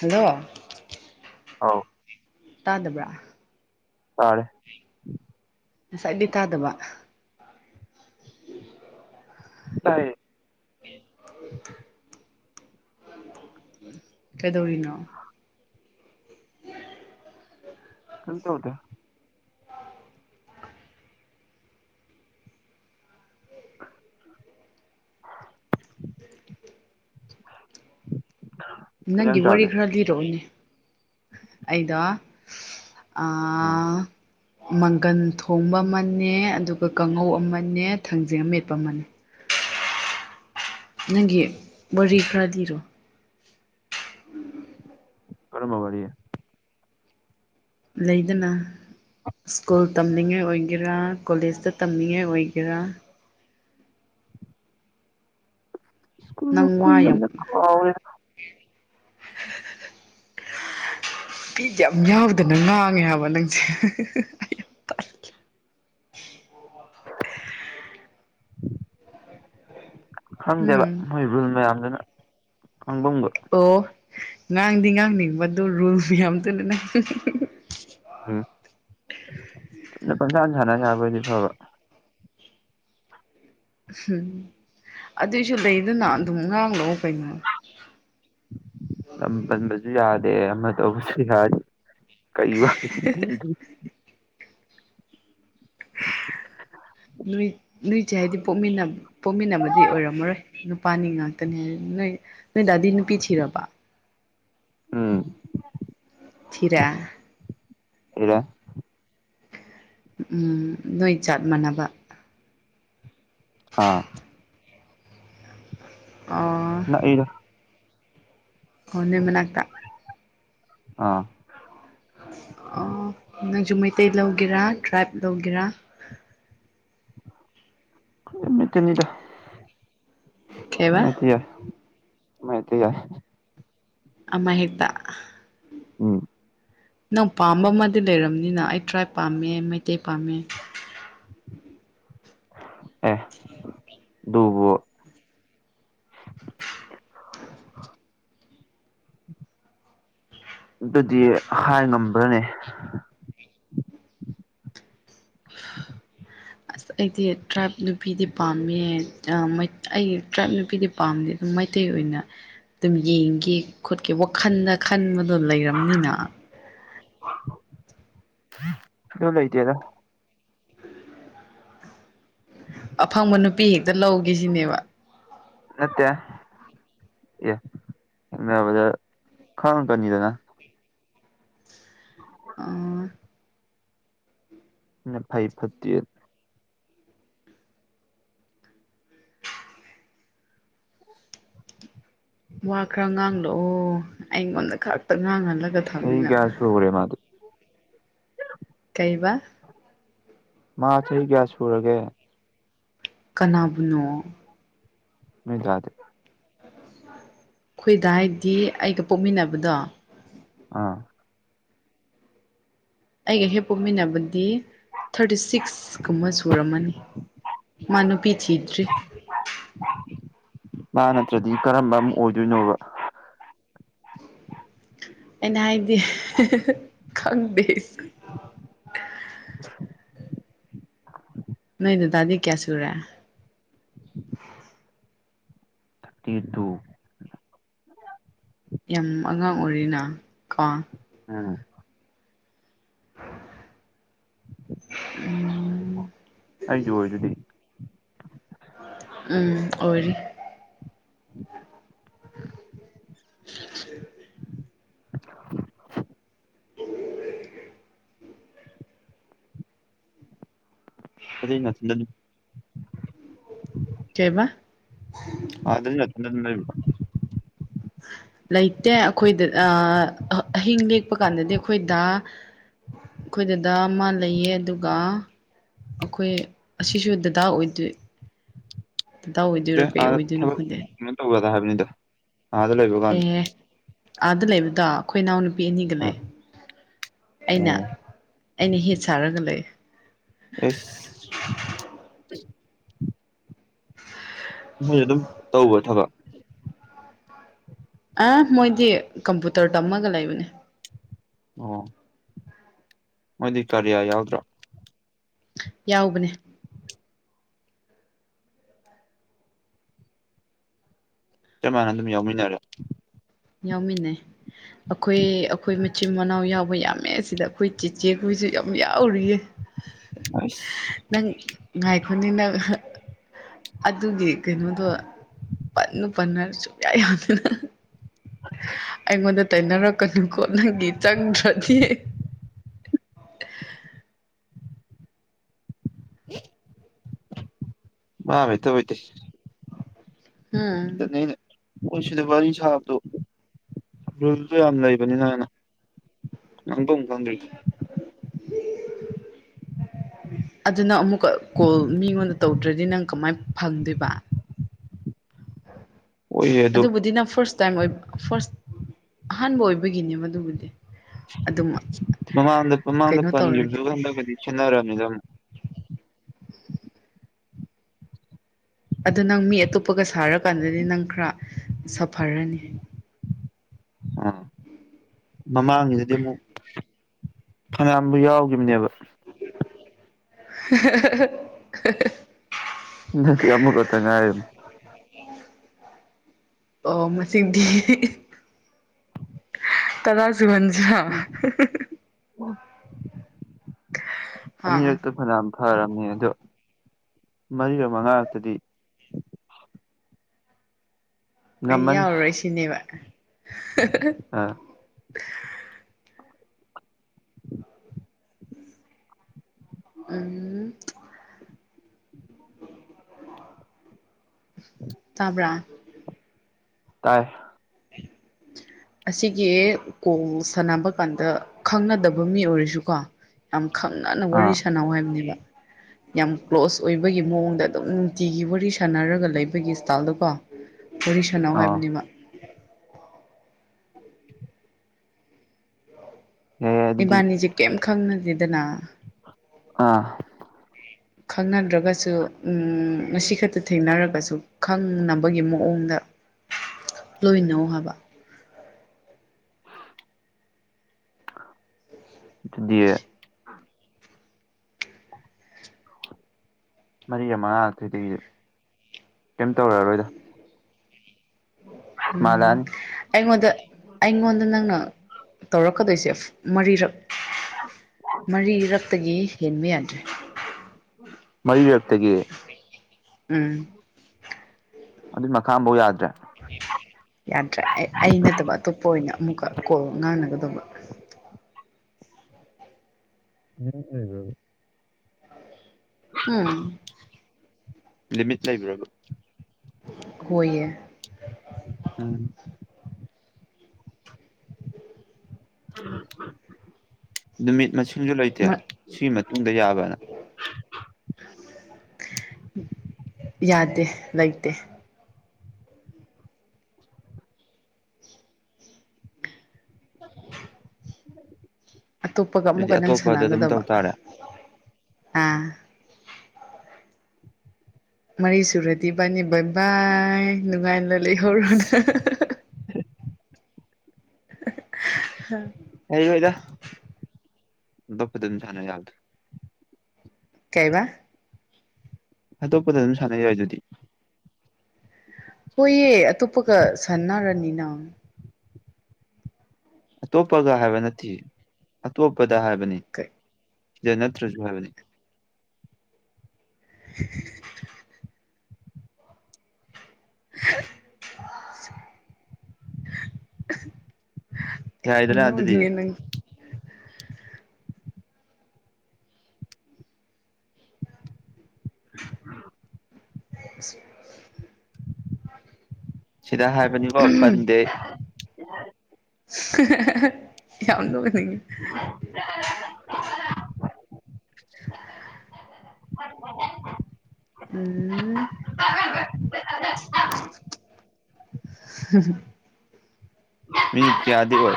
hello ꯑꯥꯎ ꯇꯥꯗꯕ꯭ꯔꯥ ꯇꯥꯔꯦ ꯉꯁꯥꯏꯒꯤ ꯇꯥꯗꯕ ꯇꯥꯏꯌꯦ ꯀꯩꯗꯧꯔꯤꯅꯣ ꯀꯪ ꯆ ꯑꯣꯗ ꯀꯩ ꯅꯪꯒꯤ ꯏꯟꯖꯥꯡ ꯋꯥꯔꯤ ꯆꯥꯒꯦ ꯈꯔ ꯂꯤꯔꯛꯑꯣꯅꯦ ꯑꯩꯗ ꯎꯝ ꯑꯥ ꯃꯪꯒꯟ ꯊꯣꯡꯕ ꯑꯃꯅꯦ ꯑꯗꯨꯒ ꯀꯥꯡꯉꯧ ꯑꯃꯅꯦ ꯊꯥꯡꯖꯤꯡ ꯑꯃꯦꯠꯄ ꯑꯃꯅꯦ ꯅꯪꯒꯤ ꯋꯥꯔꯤ ꯈ꯭ꯔꯗꯤꯔꯣ ꯎꯝ ꯀꯔ ꯃꯒ ꯋꯥꯔꯤꯦ ꯂꯩꯗꯅ ꯁ꯭ꯀꯨꯜ ꯇꯝꯅꯤꯡꯉꯥꯏ ꯑꯣꯏꯒꯦꯔꯥ ꯀꯣꯂꯦꯖꯇ ꯇꯝꯅꯤꯡꯉꯥꯏ ꯑꯣꯏꯒꯦꯔꯥ ꯁ꯭ꯀꯨꯜꯒ ꯅꯪ ꯋꯥꯌꯝ ꯀꯨꯏꯔꯝꯅ ꯀꯥꯎꯔꯦ ꯐꯤꯗꯤ ꯌꯥꯝ ꯌꯥꯎꯗꯅ ꯉꯥꯡꯉꯦ ꯍꯥꯏꯕ ꯅꯪꯁꯦ ꯑꯩ ꯌꯥꯝ ꯇꯥꯏꯈꯤ [inaudible] ꯊꯪꯗꯦꯕ ꯎꯝ ꯃꯣꯏꯕꯨꯜ ꯌꯥꯝꯗꯅ ꯑꯪꯝꯕ ꯑꯣ ꯉꯥꯡꯗꯤ ꯉꯥꯡꯅꯤꯡꯕꯗꯨ ꯔꯨꯜꯁꯨ ꯌꯥꯝ ꯊꯨꯅ ꯎꯝ ꯆꯨꯝꯅ ꯄꯪꯁꯥꯟ ꯁꯥꯟꯅ ꯁꯥꯕꯗꯤ ꯐꯕ ꯎꯝ ꯑꯗꯨꯏꯁꯨ ꯂꯩꯗꯅ ꯑꯗꯨꯝ ꯉꯥꯡꯂꯛꯑꯣ ꯀꯩꯅꯣ ꯂꯝ ꯄꯟꯕꯁꯨ ꯌꯥꯗꯦ ꯑꯃ ꯇꯧꯕꯁꯨ ꯌꯥꯗꯦ ꯀꯩ ꯋꯥ ꯅꯨꯏ ꯅꯣꯏꯁꯦ ꯍꯥꯏꯗꯤ ꯄꯣꯛꯃꯤꯟꯅ ꯄꯣꯛꯃꯤꯟꯅꯕꯗꯤ ꯑꯣꯏꯔꯝꯃꯔꯣꯏ ꯅꯨꯄꯥꯅꯤ ꯉꯥꯛꯇꯅꯤ ꯍꯥꯏ ꯅꯣꯏ ꯅꯣꯏꯗ ꯇꯗꯤ ꯅꯨꯄꯤ ꯊꯤꯔꯕ ꯎꯝ ꯊꯤꯔꯦ ꯏꯂ ꯎꯝ ꯅꯣꯏ ꯆꯠ ꯃꯥꯟꯅꯕ ꯑꯥ ꯑꯥ ꯅꯛꯏꯗ ꯍꯟꯅ ꯃꯅꯥꯛꯇ ꯑꯥ ꯑꯣ ꯅꯪꯁꯨ ꯃꯩꯇꯩ ꯂꯧꯒꯦꯔꯥ ꯇ꯭ꯔꯥꯏꯞ ꯂꯧꯒꯦꯔꯥ [unintelligible] ꯀꯩꯕ ꯃꯦꯇꯅꯤꯗꯃꯦꯥꯏꯠꯇ ꯌꯥ ꯃꯩ ꯇꯤ ꯌꯥ ꯑꯃ ꯍꯦꯛꯇ ꯎꯝ ꯅꯪ ꯄꯥꯝꯕ ꯑꯃꯗꯤ ꯂꯩꯔꯕꯝꯅꯤꯅ ꯑꯩ ꯇ꯭ꯔꯥꯏ ꯄꯥꯝꯃꯦ ꯃꯩꯇꯩ ꯄꯥꯝꯃꯦ ꯑꯦ ꯕꯣ [unintelligible] ꯑꯗꯨꯗꯤ ꯍꯥꯏ ꯉꯝꯕ꯭ꯔꯅꯦ ꯑꯁ ꯑꯩꯗꯤ ꯇ꯭ꯔꯥꯏꯕ ꯅꯨꯄꯤꯗꯤ ꯄꯥꯝꯃꯦ ꯑꯩ ꯇ꯭ꯔꯥꯏꯕ ꯅꯨꯄꯤꯗꯤ ꯄꯥꯝꯗꯦꯗ ꯃꯩꯇꯩ ꯑꯣꯏꯅ ꯑꯗꯨꯝ ꯌꯦꯡꯒꯦ ꯈꯣꯠꯀꯦ ꯋꯥꯈꯜꯗ ꯈꯟꯕꯗꯣ ꯂꯩꯔꯕꯝꯅꯤꯅ ꯀꯣ ꯂꯣꯏꯇꯦꯗ ꯑꯐꯪꯕ ꯅꯨꯄꯤ ꯍꯦꯛꯇ ꯂꯧꯒꯦꯁꯤꯅꯦꯕ ꯅꯠꯇꯦ ꯑꯦ ꯈꯪ ꯀꯅꯤꯗꯅ ꯑ ꯅ ꯐꯏ ꯐꯠꯇꯔ ꯋꯥ ꯈꯔ ꯉꯥꯡꯂꯛꯑꯣ ꯑꯩꯉꯣꯟꯗ ꯈꯛꯇ ꯉꯥꯡꯍꯜꯂꯒ ꯆꯍꯤ ꯊꯝꯃꯤꯅ ꯀꯌꯥ ꯁꯨꯔꯦ ꯃꯥꯗꯤ ꯀꯩꯕ ꯃꯥ ꯆꯍꯤ ꯀꯌꯥ ꯁꯨꯔꯒꯦ ꯀꯅꯥꯕꯨꯅꯣ ꯃꯗꯗꯦ ꯑꯩꯈꯣꯏꯗ ꯍꯥꯏꯗꯤ ꯑꯩꯒ ꯄꯣꯛꯃꯤꯟꯅꯕꯗꯣ ꯑꯥ ꯑꯩꯒ ꯍꯦꯛ ꯄꯣꯛꯃꯤꯟꯅꯕꯗꯤ ꯊꯥꯔꯇꯤ ꯁꯤꯛꯁ ꯀꯨꯝꯕ ꯁꯨꯔꯝꯃꯅꯤ ꯃꯅꯨ ꯄꯤꯆꯗ꯭ꯔꯤ ꯃꯥ ꯅꯠꯇ꯭ꯔꯗꯤ ꯀꯔꯝꯕ ꯑꯃ ꯑꯣꯏꯗꯣꯏꯅꯣꯕ ꯑꯩꯅ ꯍꯥꯏꯗꯤ ꯈꯪꯗꯦ ꯅꯅꯦꯗꯥꯗꯤ ꯀꯌꯥ ꯁꯨꯔꯦꯦ ꯊꯥꯔꯇꯤ ꯇꯨ ꯌꯥꯝ ꯑꯉꯥꯡ ꯑꯣꯏꯔꯤꯅ ꯀꯣ ꯎꯝ ꯑ ꯑꯩꯁꯨꯑꯣ ꯑꯗꯨꯗꯤ ꯎꯝ ꯑꯣꯏꯔꯤ [unintelligible] [unintelligible] ꯑꯣ ꯀ ꯅ ꯂꯩ ꯀꯦꯕ ꯑꯦ [unintelligible] ꯂꯩꯇꯦ ꯑꯩꯈꯣꯏꯗ ꯑꯍꯤꯡ ꯂꯦꯛꯄ ꯀꯥꯟꯗꯗꯤ ꯑꯩꯈꯣꯏꯗ ꯑꯩꯈꯣꯏꯗꯨꯗ ꯑꯃ ꯂꯩꯌꯦ ꯑꯗꯨꯒ ꯑꯩꯈꯣꯏ ꯑꯁꯤꯁꯨ ꯗꯗꯥ ꯑꯣꯏꯗꯣꯏ ꯄꯇꯥ ꯑꯣꯏꯗꯣꯏꯔꯣ ꯀꯩ ꯑꯣꯏꯗꯣꯏꯅꯣ ꯈꯗꯦ ꯍꯥꯏꯕꯅꯤꯗꯣ ꯑꯥꯗ ꯂꯩꯕꯨꯀꯥꯟꯗ ꯑꯥꯗ ꯂꯩꯕꯗꯣ ꯑꯩꯈꯣꯏ ꯏꯅꯥꯎ ꯅꯨꯄꯥ ꯅꯨꯄꯤ ꯑꯅꯤꯒ ꯑꯥ ꯂꯩ ꯑꯩꯅ ꯑꯣ ꯑꯩꯅ ꯍꯦꯠ ꯁꯥꯔꯒ ꯂꯩ ꯐ ꯃꯣꯏ ꯑꯗꯨꯝ ꯇꯧꯕ ꯊꯕꯛ ꯑ ꯃꯣꯏꯗꯤ ꯀꯝꯄꯨꯇꯔ ꯇꯝꯃꯒ ꯂꯩꯕꯅꯦ ꯑꯣ ꯃꯗꯤ ꯀꯔꯤꯌꯥ ꯌꯥꯎꯗ꯭ꯔꯥ ꯌꯥꯎꯕꯅꯦ ꯆꯞ ꯃꯥꯟꯅ ꯑꯗꯨꯝ ꯌꯥꯎꯃꯤꯟꯅꯔꯦ ꯌꯥꯎꯃꯤꯟꯅꯦ ꯑꯩꯈꯣꯏ ꯑꯩꯈꯣꯏ ꯃꯆꯤꯟ ꯃꯅꯥꯎ ꯌꯥꯎꯕ ꯌꯥꯝꯃꯦ ꯁꯤꯗ ꯑꯩꯈꯣꯏ ꯆꯦꯆꯦ ꯍꯨꯏꯁꯨ ꯌꯥꯝ ꯌꯥꯎꯔꯤꯌꯦ ꯑꯩꯁ ꯅꯪ ꯉꯥꯏꯈꯣꯅꯤꯅ ꯑꯗꯨꯒꯤ ꯀꯩꯅꯣꯗꯣ ꯄꯟꯅꯨ ꯄꯟꯅ ꯁꯨꯡꯌꯥ ꯌꯥꯗꯅ ꯑꯩꯉꯣꯟꯗ ꯇꯩꯅꯩꯅꯔꯛꯀꯅꯨꯀꯣ ꯅꯪꯒꯤ ꯆꯪꯗ꯭ꯔꯗꯤ ꯍ [inaudible] [unintelligible] ꯎꯝ ꯅꯅꯦ ꯄꯣꯏꯁꯨꯗ ꯋꯥꯔꯤ ꯁꯥꯕꯗꯣ ꯔꯨꯜꯁꯨ ꯌꯥꯝ ꯂꯩꯕꯅꯤꯅ ꯉꯪꯗꯣ ꯐꯪꯗ [inaudible] ꯎ [inaudible] ꯑꯗꯨꯅ ꯑꯃꯨꯛꯀ ꯀꯣꯜ ꯃꯤꯉꯣꯟꯗ ꯇꯧꯗ꯭ꯔꯗꯤ ꯅꯪ ꯀꯃꯥꯏꯅ ꯐꯪꯗꯣꯏꯕ ꯍꯣꯏꯌꯦ ꯑꯗꯣ ꯑꯗꯨꯕꯨꯗꯤ ꯅ ꯐꯥꯔꯁ ꯇꯥꯏꯝ ꯑꯣꯏꯕ ꯐꯥꯔꯁ ꯑꯍꯥꯟꯕ ꯑꯣꯏꯕꯒꯤꯅꯦ ꯑꯗꯨꯕꯨꯗꯤ ꯃꯃꯥꯡꯗ ꯃꯃꯥꯡꯗ ꯀꯩꯅꯣ ꯄꯟꯈꯤꯕꯗꯨ ꯇꯧꯔꯗꯤ ꯈꯟꯗꯒꯗꯤ ꯈꯦꯟꯅꯔꯝꯃꯤꯗ ꯑꯃꯨꯛ ꯑꯗꯨꯗ ꯅꯪ ꯃꯤ ꯑꯇꯣꯞꯄꯒ ꯁꯥꯔꯀꯥꯟꯗꯗꯤ ꯅꯪ ꯈꯔ ꯁꯥꯐꯔꯅꯤ ꯑꯥ ꯃꯃꯥꯡꯒꯤꯗꯗꯤ ꯑꯃꯨꯛ ꯐꯉꯌꯥꯝꯕꯨ ꯌꯥꯎꯒꯤꯕꯅꯦꯕ [unintelligible] ꯑꯃꯛꯀꯠꯇ ꯉꯏ ꯃꯁꯤꯡꯗꯤ ꯇꯔꯁꯨꯍꯟꯖꯥ ꯍꯥ ꯑꯅꯤꯔꯛꯇ ꯐꯅꯝ ꯐꯔꯝꯅꯤ ꯑꯗꯣ ꯃꯔꯤꯔꯛ ꯃꯉꯥ ꯉꯥꯛꯛꯇꯗꯤ ꯑꯩ ꯌꯥꯎꯔꯔꯣꯏ ꯁꯤꯅꯦꯕ ꯑꯥ ꯎꯝ [unintelligible] ꯇꯥꯕ꯭ꯔꯥ ꯇꯥꯏ ꯎꯝ [inaudible] ꯑꯁꯤꯒꯤ ꯀꯣꯡ ꯁꯥꯟꯅꯕ ꯀꯥꯟꯗ ꯈꯪꯅꯗꯕ ꯃꯤ ꯑꯣꯏꯔꯁꯨꯀꯣ ꯌꯥꯝ ꯈꯪꯅꯅ ꯋꯥꯔꯤ ꯑꯥ ꯁꯥꯟꯅꯧ ꯍꯥꯏꯕꯅꯦꯕ ꯌꯥꯝ ꯀ꯭ꯂꯣꯁ ꯑꯣꯏꯕꯒꯤ ꯃꯑꯣꯡꯗ ꯑꯗꯨꯝ ꯅꯨꯡꯇꯤꯒꯤ ꯋꯥꯔꯤ ꯁꯥꯟꯅꯔꯒ ꯂꯩꯕꯒꯤ ꯏꯁꯇꯥꯏꯜꯗꯀꯣ ꯋꯥꯔꯤꯁꯅꯥꯎ ꯑꯣ ꯍꯥꯏꯕꯅꯦꯃ ꯌꯥꯏ ꯌꯥꯏ ꯑꯗꯨꯗꯤ ꯏꯕꯥꯅꯤꯁꯦ ꯀꯦꯝ ꯈꯪꯅꯗꯦꯗꯅ ꯑꯥ ꯈꯪꯅꯗ꯭ꯔꯒꯁꯨ ꯉꯁꯤ ꯈꯛꯇ ꯊꯦꯡꯅꯔꯒꯁꯨ ꯈꯪꯅꯕꯒꯤ ꯃꯑꯣꯡꯗ ꯂꯣꯏꯅꯧ ꯍꯥꯏꯕ ꯗꯨꯗꯤ ꯃꯔꯤ ꯃꯉꯥꯊꯣꯏꯗꯒꯤꯗꯤ ꯀꯩꯝ ꯇꯧꯔꯛꯑꯔꯣꯏꯗ ꯎꯝ ꯃꯥꯜꯂꯛꯑꯅꯤ ꯑꯩꯉꯣꯟꯗ ꯑꯩꯉꯣꯟꯗ ꯅꯪꯅ ꯇꯧꯔꯛꯀꯗꯣꯏꯁꯦ ꯃꯔꯤꯔꯛ ꯃꯔꯤꯔꯛꯇꯒꯤ ꯍꯦꯟꯃꯤ ꯌꯥꯗ꯭ꯔꯦ ꯃꯔꯤꯔꯛ ꯎꯝ ꯑꯗꯨꯏ ꯃꯈꯥ ꯐꯧ ꯌꯥꯗꯦ ꯎ [inaudible] ꯌꯥꯗ꯭ꯔꯦ ꯑꯩ ꯑꯩ ꯅꯠꯇꯕ ꯑꯇꯣꯞꯄ ꯑꯣꯏꯅ ꯑꯃꯨꯛꯀ ꯀꯣꯜ ꯉꯥꯡꯅꯒꯗꯧꯕ [unintelligible] ꯑꯝ ꯂꯤꯃꯤꯠ ꯂꯩꯕ꯭ꯔꯕ [unintelligible] ꯎꯝ ꯅꯨꯃꯤꯠ ꯃꯁꯤꯡ ꯁꯤꯡꯁꯨ ꯂꯩꯇꯦ ꯁꯤꯒꯤ ꯃꯇꯨꯡꯗ ꯌꯥꯕꯅ ꯌꯥꯗꯦ ꯂꯩꯇꯦ ꯑꯇꯣꯞꯄꯒ ꯑꯗꯨꯗꯤ ꯑꯃꯨꯛꯀ ꯅꯪ ꯑꯇꯣꯞꯄꯗ ꯑꯗꯨꯝ ꯁꯥꯟꯅꯒꯗꯕ ꯇꯧ ꯇꯥꯔꯦ ꯑ ꯃꯔꯤ ꯁꯨꯔꯗꯤ ꯕꯥꯅꯤ ꯚꯕꯥꯏ ꯅꯨꯡꯉꯥꯏꯅ ꯂꯩꯍꯧꯔꯣꯅꯦ ꯂꯩꯔꯣꯏꯗ ꯑꯇꯣꯞꯄꯗ ꯑꯗꯨꯝ ꯁꯥꯟꯅ ꯌꯥꯕꯅꯦ ꯀꯩꯕ ꯑꯇꯣꯞꯄꯗ ꯑꯗꯨꯝ ꯁꯥꯟꯅ ꯌꯥꯏꯗꯨꯗꯤ ꯍꯣꯏꯌꯦ ꯑꯇꯣꯞꯄꯒ ꯁꯟꯅꯔꯅꯤꯅ ꯑꯇꯣꯞꯄꯒ ꯍꯥꯏꯕ ꯅꯠꯇꯤꯌꯦ ꯑꯇꯣꯞꯄꯗ ꯍꯥꯏꯕꯅꯤ ꯅꯠꯇ꯭ꯔꯨꯁꯨ ꯍꯥꯏꯕꯅꯤ [unintelligible] [inaudible] [inaudible] [unintelligible] [unintelligible] [inaudible] ꯌꯥꯏꯗꯅ ꯑꯗꯨꯗꯤ [unintelligible] [unintelligible] ꯁꯤꯗ ꯍꯥꯏꯕꯅꯤꯀꯣ ꯄꯥꯟꯗꯦ ꯌꯥꯝ ꯅꯣꯛꯅꯤꯡꯉꯦ [unintelligible] ꯎꯝ [inaudible] ꯃꯤꯀꯌꯥꯗꯤ ꯑꯣꯏ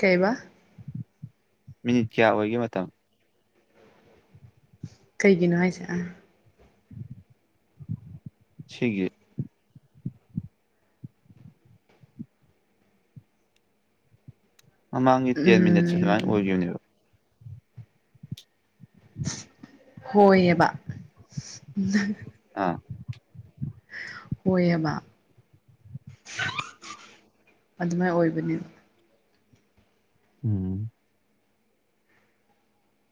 ꯀꯩꯕ ꯃꯤꯅꯤꯠ ꯀꯌꯥ ꯑꯣꯏꯒꯦ ꯃꯇꯝ ꯀꯩꯒꯤꯅꯣ ꯍꯥꯏꯁꯦ ꯑꯥ [inaudible] ꯁꯤꯒꯤ ꯃꯃꯥꯡꯒꯤ ꯇꯦꯟ ꯃꯤꯅꯠꯁꯦ ꯑꯗꯨꯃꯥꯏꯅ ꯎꯝ ꯑꯣꯏꯈꯤꯕꯅꯦꯕ ꯍꯣꯏꯑꯕ [inaudible] ꯍꯣꯏꯕ ꯑꯗꯨꯃꯥꯏꯅ ꯑꯣꯏꯕꯅꯦ ꯎꯝ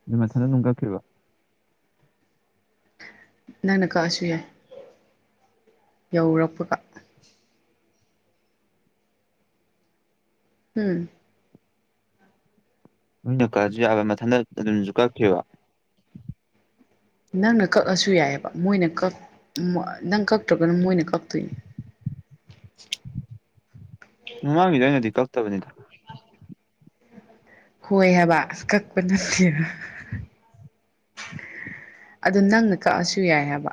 ꯑꯗꯨ ꯃꯊꯟꯗ ꯑꯗꯨꯝ ꯀꯛ꯭ꯈꯤꯕꯔꯣ ꯅꯪꯅ ꯀꯛꯑꯥꯁꯨꯨ ꯌꯥꯏ ꯌꯧꯎꯔꯛꯄꯥꯒ ꯎꯝ ꯅꯣꯏꯅ ꯀꯛꯑꯁꯨ ꯌꯥꯕ ꯃꯊꯟꯇ ꯑꯗꯨꯝꯁꯨ ꯀꯛꯈꯤꯕ ꯅꯪꯅ ꯀꯛꯑꯁꯨ ꯌꯥꯏꯑꯕ ꯃꯣꯏꯅ ꯅꯪ ꯀꯛꯇ꯭ꯔꯒꯅ ꯃꯣꯏꯅ ꯀꯛꯇꯣꯏꯅꯦ [inaudible] ꯃꯃꯥꯡꯒꯤꯗ ꯑꯩꯅꯗꯤ ꯀꯛꯇꯕꯅꯤꯗ ꯍꯣꯏ ꯍꯥꯏꯕ ꯀꯛꯄ ꯅꯠꯇꯦꯕ ꯑꯗꯨ ꯅꯪꯅ ꯀꯛꯑꯁꯨ ꯌꯥꯏ ꯍꯥꯏꯕ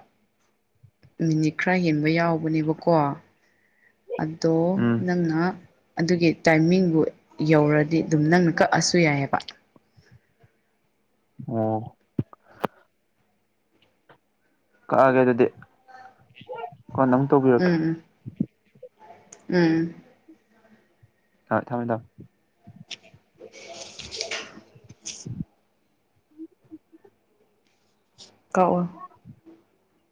ꯃꯤꯅꯤꯠ ꯈꯔ ꯍꯦꯟꯕ ꯌꯥꯎꯕꯅꯦꯕꯀꯣ ꯑꯗꯣ ꯎꯝ ꯅꯪꯅ ꯑꯗꯨꯒꯤ ꯇꯥꯏꯃꯤꯡꯕꯨ ꯌꯧꯔꯗꯤ ꯑꯗꯨꯝ ꯅꯪꯅ ꯀꯛꯑꯁꯨ ꯌꯥꯏꯑꯕ ꯑꯣ ꯀꯛꯑꯒꯦ ꯑꯗꯨꯗꯤ ꯀꯣꯟ ꯑꯃꯪꯛ ꯇꯧꯕꯤꯔꯛꯀꯦ ꯎꯝ ꯎꯝ ꯊ ꯊꯝꯃꯦ ꯊꯝꯃꯦ [inaudible] ꯀꯛꯑꯣ